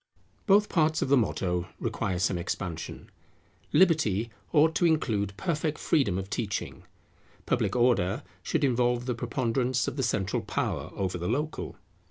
Both parts of the motto require some expansion. Liberty ought to include perfect freedom of teaching; Public Order should involve the preponderance of the central power over the local.